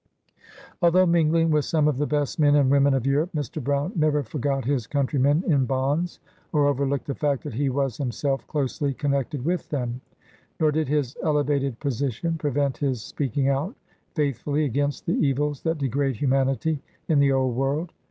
Although mingling with some of the best men and women of Europe, Mr. Brown never forgot his country men in bonds, or overlooked the fact that he was himself closely connected with them. Nor did his elevated position prevent his speaking out faithfully against the evils that degrade humanity in the old world.